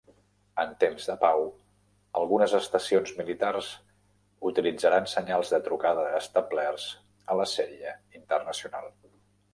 En temps de pau, algunes estacions militars utilitzaran senyals de trucada establerts a la sèrie internacional.